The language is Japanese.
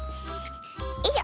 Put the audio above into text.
よいしょ！